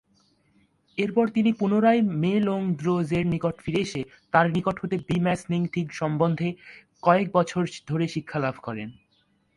এরপর তিনি পুনরায় মে-লোং-র্দো-র্জের নিকট ফিরে এসে তার নিকট হতে বি-মা-স্ন্যিং-থিগ সম্বন্ধে কয়েক বছর ধরে শিক্ষালাভ করেন।